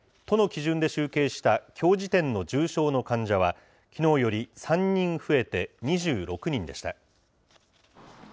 都の基準で集計したきょう時点の重症の患者は、きのうより３人増えて２６人でした。